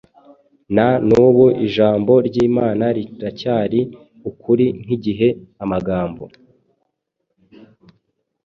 Na n’ubu ijambo ry’Imana riracyari ukuri nk’igihe amagambo